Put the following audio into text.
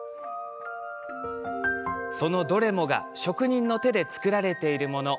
そのどれもが職人の手で作られているもの。